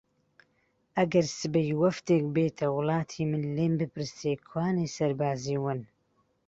ئەگەر سبەی وەفدێک بێتە وڵاتی من لێم بپرسێ کوانێ سەربازی ون